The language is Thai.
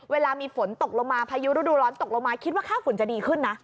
เวลามีฝนตกลงมาพายุฤดูร้อนตกลงมาคิดว่าค่าฝุ่นจะดีขึ้นนะ